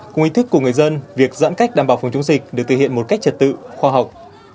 cùng ý thức của người dân việc giãn cách đảm bảo phòng chống dịch được thể hiện một cách trật tự khoa học